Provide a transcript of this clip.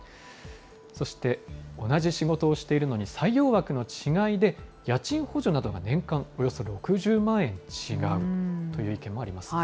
そして、同じ仕事をしているのに、採用枠の違いで家賃補助などが年間およそ６０万円違うという意見もあります。